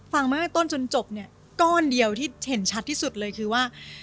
ฟังมาตั้งแต่ต้นจนจบเนี่ยก้อนเดียวที่เห็นชัดที่สุดเลยคือว่า